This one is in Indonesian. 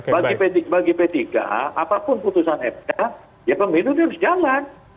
bagi p tiga apapun putusan mk ya pemilu itu harus jalan